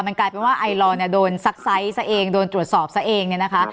มันกลายเป็นว่าไอลอร์เนี่ยโดนซักไซส์ซะเองโดนตรวจสอบซะเองเนี่ยนะคะ